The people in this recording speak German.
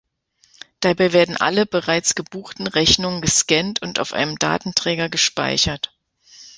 Dabei werden alle bereits gebuchten Rechnungen gescannt und auf einem Datenträger gespeichert.